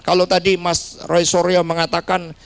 kalau tadi mas roy suryo mengatakan